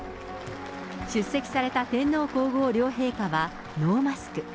出席された天皇皇后両陛下はノーマスク。